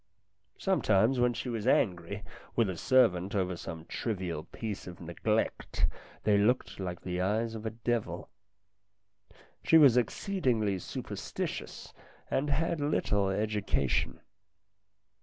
Sometimes when she was angry with a servant over some trivial piece of neglect, they looked like the eyes of a devil. She was exceedingly superstitious and had little education.